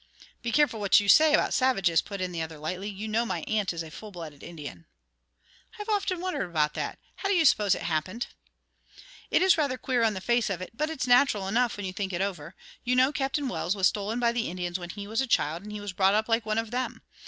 "Be careful what you say about savages," put in the other, lightly; "you know my aunt is a full blooded Indian." "I've often wondered about that. How do you suppose it happened?" "It is rather queer on the face of it, but it's natural enough, when you think it over. You know Captain Wells was stolen by the Indians when he was a child and he was brought up like one of them.